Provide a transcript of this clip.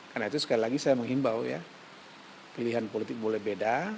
karena itu sekali lagi saya mengimbau ya pilihan politik boleh beda